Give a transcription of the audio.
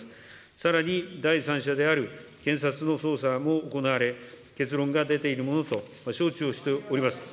さらに第三者である検察の捜査も行われ、結論が出ているものと承知をしております。